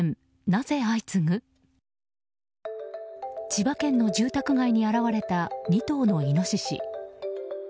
千葉県の住宅街に現れた２頭のイノシシ。